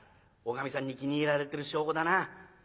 おかみさんに気に入られてる証拠だな。